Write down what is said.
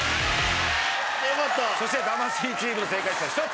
そして魂チームの正解数は１つ。